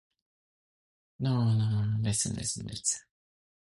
He finished his career winning seven conference titles.